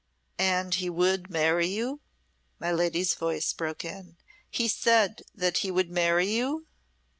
"And he would marry you?" my lady's voice broke in. "He said that he would marry you?"